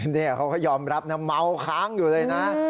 นี่เขาก็ยอมรับนะเมาค้างอยู่เลยนะ